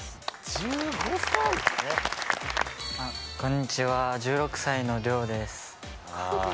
１５歳⁉こんにちは１６歳のリョウです。